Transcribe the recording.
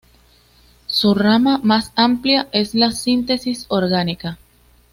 Su rama más amplia es la síntesis orgánica.